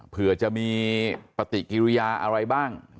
เผื่อจะมีปฏิกิริยาอะไรบ้าง